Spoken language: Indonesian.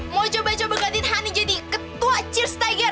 mau coba coba gantiin hani jadi ketua cheers tiger